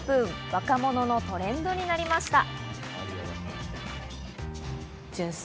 若者のトレンドになりました。